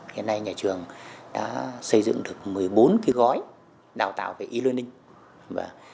hiện nay nhà trường đã xây dựng được một mươi bốn cái gói đào tạo về e learning